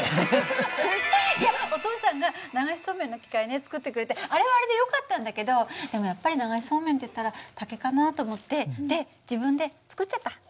いやお父さんが流しそうめんの機械ね作ってくれてあれはあれでよかったんだけどでもやっぱり流しそうめんっていったら竹かなと思ってで自分で作っちゃった。